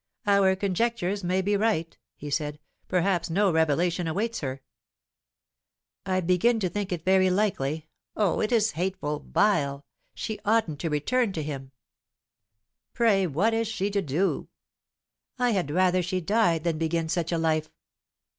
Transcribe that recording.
"Our conjectures may be right," he said. "Perhaps no revelation awaits her." "I begin to think it very likely. Oh, it is hateful, vile! She oughtn't to return to him." "Pray, what is she to do?" "I had rather she died than begin such a life!"